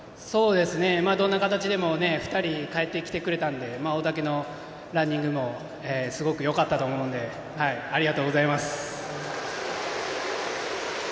どんな形でも２人かえってきてくれたので大竹のランニングもすごくよかったと思うんでありがとうございます。